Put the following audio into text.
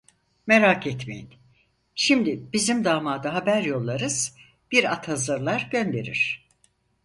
Merak etmeyin, şimdi bizim damada haber yollarız, bir at hazırlar gönderir.